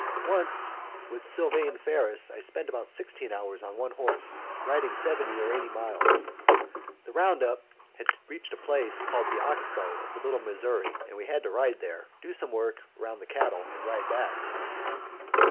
Once when with Sylvane Ferris I spent about sixteen hours on one horse, riding seventy or eighty miles. The round up had reached a place called the ox bow of the Little Missouri, and we had to ride there, do some work around the cattle, and ride back.